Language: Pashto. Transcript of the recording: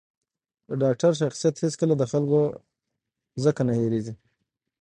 د ډاکتر شخصیت هېڅکله د خلکو ځکه نه هېرېـږي.